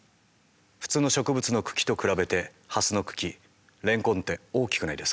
普通の植物の茎と比べてハスの茎レンコンって大きくないですか？